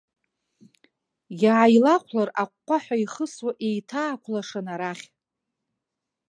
Иааилахәлар, аҟәҟәаҳәа ихысуа еиҭаақәлашан арахь.